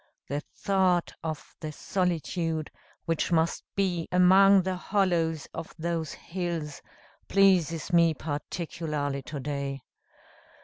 The thought of the solitude which must be among the hollows of those hills pleases me particularly to day.